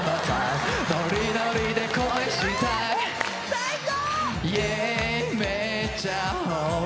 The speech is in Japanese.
最高！